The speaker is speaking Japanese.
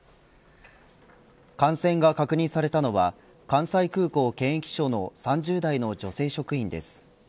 感染が確認されたのは関西空港検疫所の３０代の女性職員です。